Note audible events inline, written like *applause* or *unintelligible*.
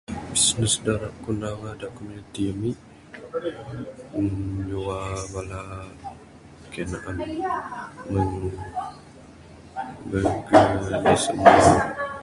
*unintelligible* komuniti ami, uhh nyuwa bala kayuh naan, meng burger, anih simua